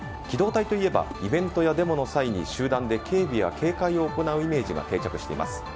機動隊といえばイベントやデモの際に集団で警備や警戒を行うイメージが定着しています。